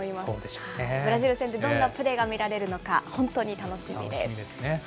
ブラジル戦でどんなプレーが見られるのか、本当に楽しみです。